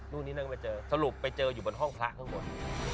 นี้นั่งไปเจอสรุปไปเจออยู่บนห้องพระข้างบน